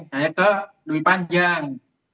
saya ke lebih panjang